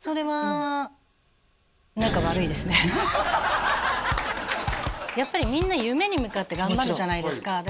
それはやっぱりみんな夢に向かって頑張るじゃないですか